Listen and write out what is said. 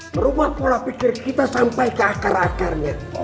merubah pola pikir kita sampai ke akar akarnya